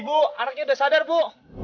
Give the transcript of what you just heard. dengan keenaman madu aku